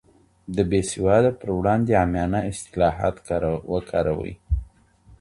د بې سېواده پر وړاندې عامیانه اصطلاحات وکاروي